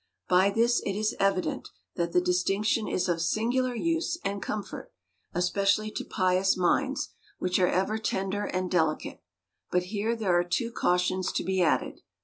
By this it is evident, that the distinction is of singular use and comfort; especially to pious minds, which are ever tender and delicate. — But here there are two cautions to be added.